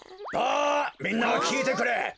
あみんなきいてくれ。